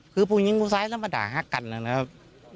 คือผู้หญิงผู้ซ้ายลักษณะฮักกันนะครับ